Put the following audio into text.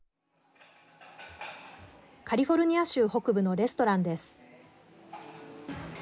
カリフォルニア州北部のレストランです。